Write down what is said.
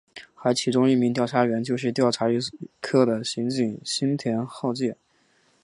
而其中一名调查员就是搜查一课的刑警新田浩介。